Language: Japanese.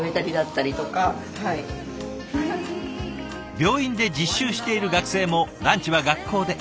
病院で実習している学生もランチは学校で。